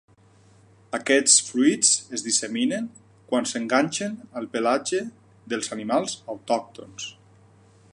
Aquests fruits es disseminen quan s'enganxen al pelatge dels animals autòctons.